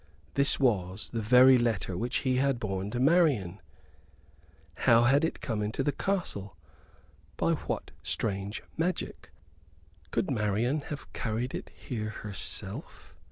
This was the very letter which he had borne to Marian. How had it come into the castle? By what strange magic? Could Marian have carried it here herself?